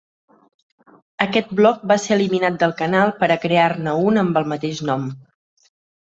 Aquest bloc va ser eliminat del canal per a crear-ne un amb el mateix nom.